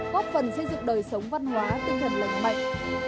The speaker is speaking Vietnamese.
góp phần xây dựng đời sống văn hóa tinh thần lành mạnh